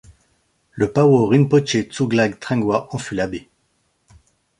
Le Pawo Rinpoché Tsouglag Trengwa en fut l’abbé.